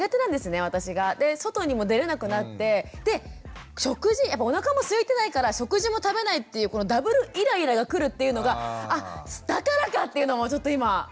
で外にも出れなくなってで食事やっぱおなかもすいてないから食事も食べないっていうこのダブルイライラがくるっていうのがあっだからかっていうのもちょっと今ふに落ちました。